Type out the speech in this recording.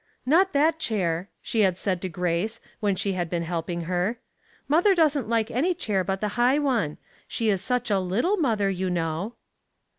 " Not that chair," she had said to Grace, when she had been helping her. " Mother doesn't like any chair but the high one ; she is such a little mother, you know."